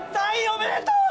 おめでとう！